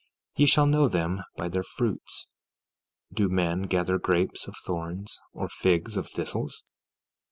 14:16 Ye shall know them by their fruits. Do men gather grapes of thorns, or figs of thistles?